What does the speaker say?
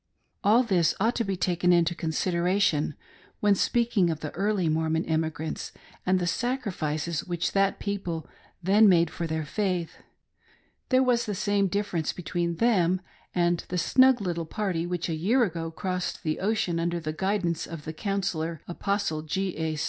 All this ought to be taken inio consideration when speaking of the early Mormon emi gnmts and the sacrifices which that people then made for their faith. There was the same difference between them and the snug little party which a year ago crossed the ocean under the guidance of the councillor Apostle G. A.